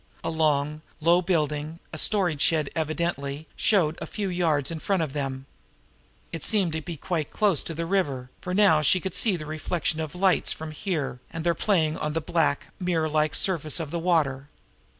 A long, low building, a storage shed evidently, showed a few yards in front of them. It seemed to be quite close to the river, for now she could see the reflection of lights from here and there playing on the black, mirror like surface of the water.